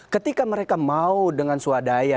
ketika mereka mau dengan swadaya